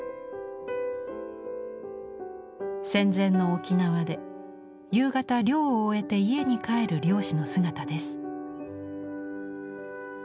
戦前の沖縄で夕方漁を終えて家に帰る漁師の姿です。